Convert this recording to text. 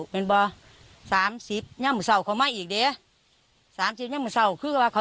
เว่นว่าสามสิบทั้งเนื่องว่าเหรอ